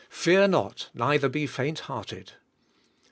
Fear not, neither be faint hearted."